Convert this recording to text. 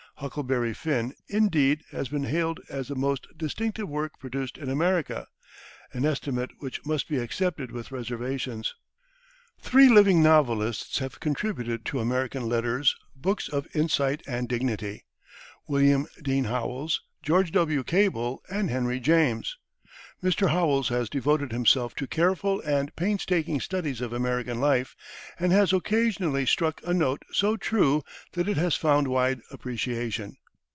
"Huckleberry Finn," indeed, has been hailed as the most distinctive work produced in America an estimate which must be accepted with reservations. Three living novelists have contributed to American letters books of insight and dignity William Dean Howells, George W. Cable and Henry James. Mr. Howells has devoted himself to careful and painstaking studies of American life, and has occasionally struck a note so true that it has found wide appreciation.